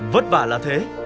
vất vả là thế